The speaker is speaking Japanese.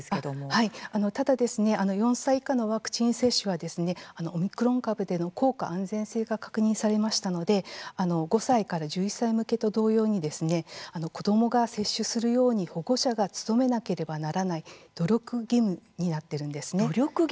はい、ただ４歳以下のワクチン接種はオミクロン株での効果、安全性が確認されましたので５歳から１１歳向けと同様に子どもが接種するように保護者が努めなければならない「努力義務」になっているんです。